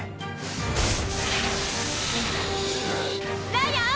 ライアン！